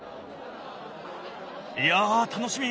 いや楽しみ。